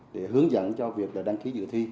để hướng dẫn cho việc đăng ký dự thi